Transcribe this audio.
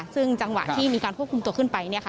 ซึ่งจังหวะที่มีการควบคุมตัวขึ้นไป